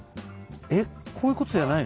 こういうことじゃないの？